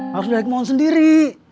harus naik maun sendiri